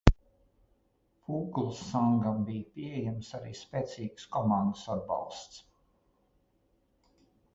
Fūglsangam bija pieejams arī spēcīgas komandas atbalsts.